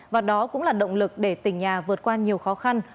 và đó cũng là động lực để tỉnh nhà vượt qua nhiều khó khăn